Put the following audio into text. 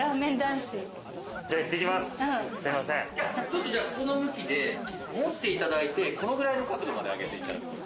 ちょっとこの向きで持っていただいてこのぐらいの角度まで上げていただくと。